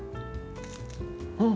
うん！